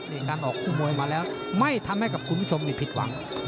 นี่การออกคู่มวยมาแล้วไม่ทำให้กับคุณผู้ชมผิดหวัง